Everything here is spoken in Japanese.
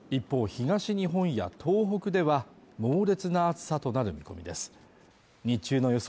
、東日本や東北では猛烈な暑さとなる見込みです日中の予想